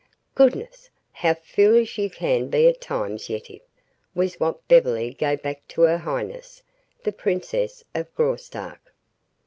"Goodness! How foolish you can be at times, Yetive," was what Beverly gave back to her highness, the Princess of Graustark.